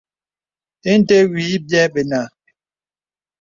Ìndə̀ wì bìɛ̂ bənà.